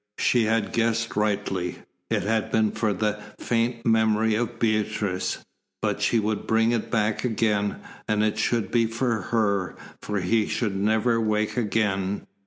She had guessed rightly; it had been for the faint memory of Beatrice. But she would bring it back again, and it should be for her, for he should never wake again.